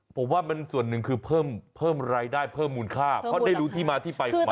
ผมว่ามันส่วนหนึ่งคือเพิ่มรายได้เพิ่มมูลค่าเพราะได้รู้ที่มาที่ไปของมัน